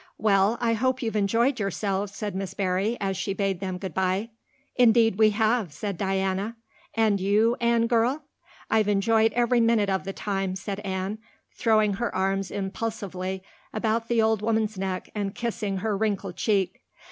"Well, I hope you've enjoyed yourselves," said Miss Barry, as she bade them good bye. "Indeed we have," said Diana. "And you, Anne girl?" "I've enjoyed every minute of the time," said Anne, throwing her arms impulsively about the old woman's neck and kissing her wrinkled cheek.